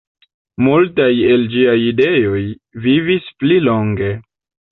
Multaj el ĝiaj ideoj vivis pli longe.